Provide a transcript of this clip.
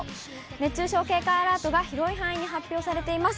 熱中症警戒アラートが広い範囲に発表されています。